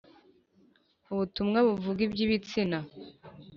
ubutumwa buvuga iby’ ibitsina.